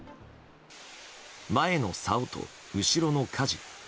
前のさおと後ろのかじ。